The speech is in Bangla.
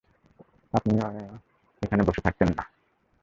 আপনিও এখানে বসে থাকতেন না।